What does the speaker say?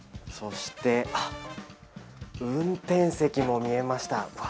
そして、運転席も見えました。